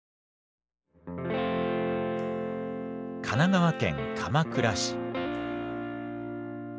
神奈川県鎌倉市。